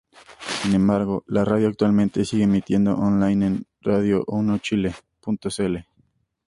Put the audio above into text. Sin embargo, la radio actualmente sigue emitiendo online en radiounochile.cl.